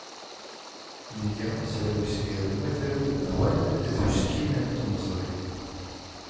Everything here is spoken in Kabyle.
Nga aserwes gar umatar udmawan, d uskim n tmeẓri.